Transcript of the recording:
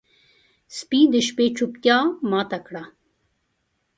سپي د شپې چوپتیا ماته کړه.